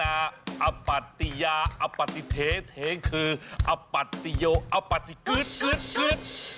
อัปติยาอัปติเทเทคืออัปติโยอัปติกึ๊ดกึ๊ดกึ๊ด